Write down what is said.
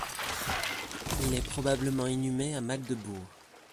Il est probablement inhumé à Magdebourg.